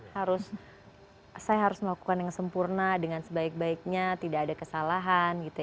harus saya harus melakukan yang sempurna dengan sebaik baiknya tidak ada kesalahan gitu